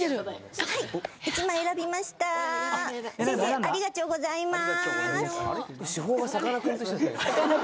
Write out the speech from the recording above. ありがちょうございます。